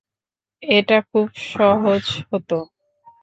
এটা খুব সহজ হত।